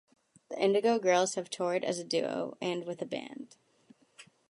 The Indigo Girls have toured as a duo and with a band.